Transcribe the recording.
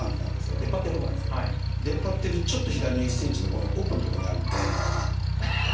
出っ張ってるとこなんですけど出っ張ってるちょっと左の１ｃｍのこの奥のとこにあるんで。